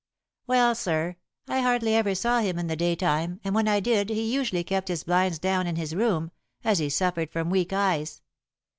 "Well, sir, I hardly ever saw him in the daytime, and when I did he usually kept his blinds down in his room, as he suffered from weak eyes.